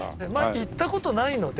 行った事ないので。